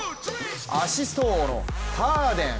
アシスト王のハーデン。